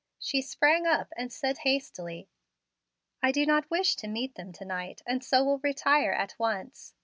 She sprang up and said hastily: "I do not wish to meet them to night, and so will retire at once.